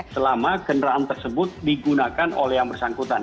selama kendaraan tersebut digunakan oleh yang bersangkutan